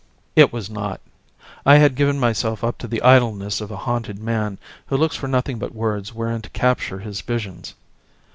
It was not. I had given myself up to the idleness of a haunted man who looks for nothing but words wherein to capture his visions.